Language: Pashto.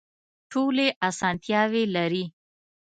ټولې اسانتیاوې لري.